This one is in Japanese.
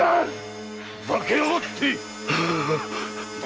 ふざけやがって！